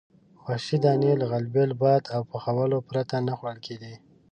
وحشي دانې له غلبیل، باد او پخولو پرته نه خوړل کېدې.